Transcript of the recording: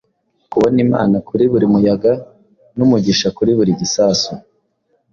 Kubona imana kuri buri muyaga n'umugisha kuri buri gisasu;